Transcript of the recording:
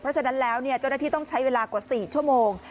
เพราะฉะนั้นแล้วเจ้าหน้าที่ต้องใช้เวลากว่า๔ชั่วโมง